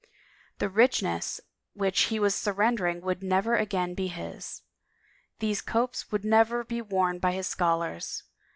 The richness which he was surrendering would never again be his. These copes would never be worn by his scholars.